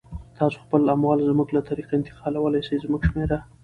تاسو خپل اموال زموږ له طریقه انتقالولای سی، زموږ شمیره